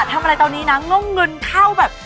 ทำอะไรตอนนี้๘๖๙นำเงินเท่าแบบ